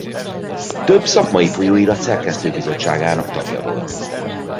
Több szakmai folyóirat szerkesztő bizottságának tagja volt.